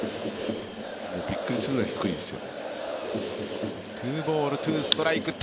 びっくりするぐらい低いですよ。